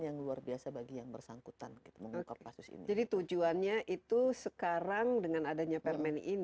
yang luar biasa bagi yang bersangkutan gitu mengungkap kasus ini jadi tujuannya itu sekarang dengan adanya permen ini